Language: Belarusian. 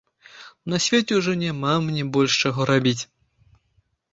На свеце ўжо няма мне больш чаго рабіць.